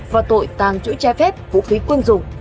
và tội tàng chuỗi trái phép vũ khí quân dùng